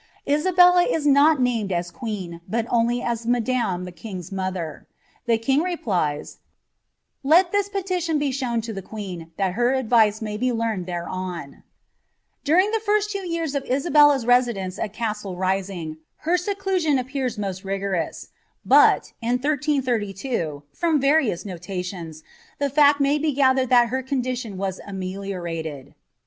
Isabella is not named as queen, but only a> e the kiug''s mother ; the king replies, Let this petition be shown to the queen, thai her advice may be learned thereon." Daring the two first yeara of Isabella's residence at Costle Rising, her •eclasioo appears most rigorous^ but, in 1332, from various noiations, (be ^1 mny be gatlieied that her condiiion was aoieliorated.